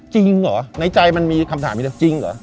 จริงเหรอในใจมันมีคำถามมีแต่จริงเหรอ